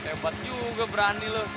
lebat juga berani lo